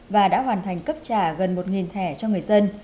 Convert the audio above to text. và đã hoàn thành cấp trả gần một thẻ cho người dân